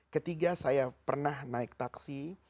ketiga saya pernah naik taksi